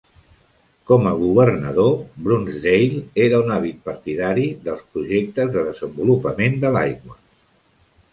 Com a governador, Brunsdale era un àvid partidari dels projectes de desenvolupament de l'aigua.